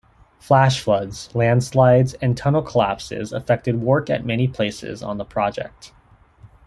Flash floods, landslides and tunnel collapses affected work at many places on the project.